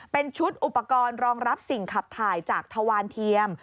เป็นชุดอุปกรณ์รองรับสิ่งขับถ่ายจากทวารเทียม